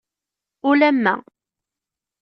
Ulamma.